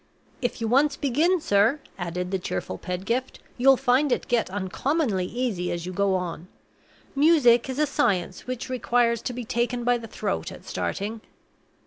"If you once begin, sir," added the cheerful Pedgift, "you'll find it get uncommonly easy as you go on. Music is a science which requires to be taken by the throat at starting."